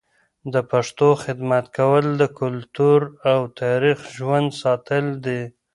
د پښتو خدمت کول د کلتور او تاریخ ژوندي ساتل دي.